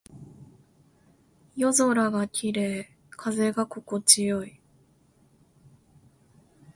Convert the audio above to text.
夜空が綺麗。風が心地よい。